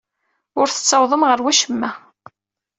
Ur tettawḍem ɣer wacemma.